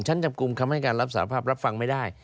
ชั้นจับกลุ่มคำให้การรับสาภาพรับฟังไม่ได้